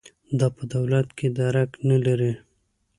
دا په دولت کې درک نه لري.